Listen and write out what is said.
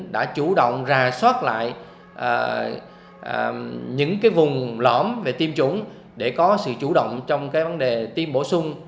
đã chủ động ra soát lại những vùng lõm về tiêm chủng để có sự chủ động trong vấn đề tiêm bổ sung